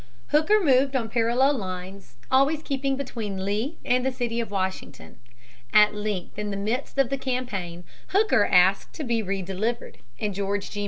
Hooker moved on parallel lines, always keeping between Lee and the city of Washington. At length, in the midst of the campaign, Hooker asked to be relieved, and George G.